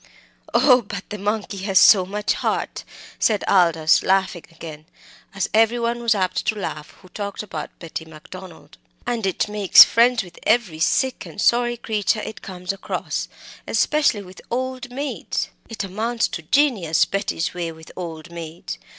"Oh! but the monkey has so much heart," said Aldous, laughing again, as every one was apt to laugh who talked about Betty Macdonald, "and it makes friends with every sick and sorry creature it comes across, especially with old maids! It amounts to genius, Betty's way with old maids.